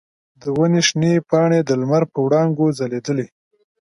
د ونې شنې پاڼې د لمر په وړانګو ځلیدلې.